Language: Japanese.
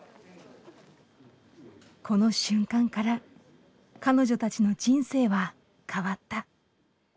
この瞬間から彼女たちの人生は変わった。